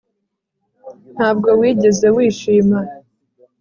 Ntabwo wigeze wishima